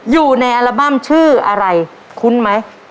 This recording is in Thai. อยู่ในอัลบั้มชื่ออะไรคุ้นไหม